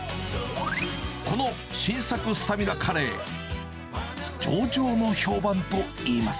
この新作スタミナカレー、上々の評判といいます。